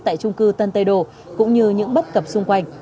cho khu dân cư tân tây đô cũng như những bất cập xung quanh